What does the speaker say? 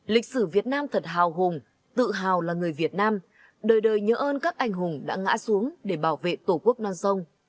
lịch sử việt nam thật hào hùng tự hào là người việt nam đời đời nhớ ơn các anh hùng đã ngã xuống để bảo vệ tổ quốc non sông